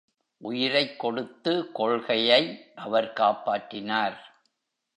உயிரைக் கொடுத்து கொள்கையை அவர் காப்பாற்றினார்.